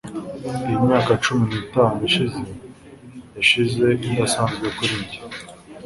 iyi myaka cumi nitanu ishize yashize idasanzwe kuri njye